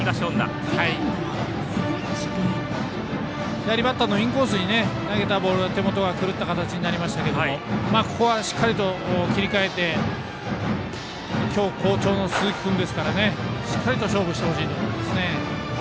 左バッターのインコースに投げたボールが手元が狂った形になりましたけどここはしっかりと切り替えて今日、好調の鈴木君ですからしっかりと勝負してほしいと思いますね。